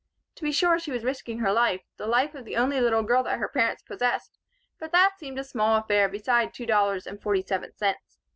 To be sure she was risking her life, the life of the only little girl that her parents possessed; but that seemed a small affair beside two dollars and forty seven cents.